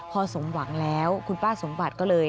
พอสมหวังแล้วคุณป้าสมบัติก็เลย